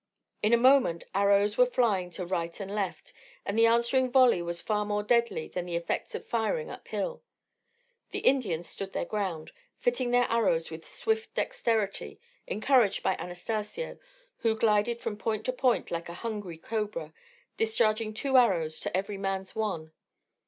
In a moment arrows were flying to right and left; and the answering volley was far more deadly than the effects of firing up hill. The Indians stood their ground, fitting their arrows with swift dexterity, encouraged by Anastacio, who glided from point to point like a hungry cobra, discharging two arrows to every man's one.